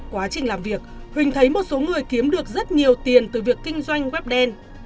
quá trình làm việc huỳnh thấy một số người kiếm được rất nhiều tiền từ việc kinh doanh web đen